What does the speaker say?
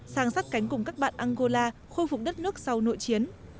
sang sát cánh cùng các bạn angola khôi phục đất nước sau nội chiến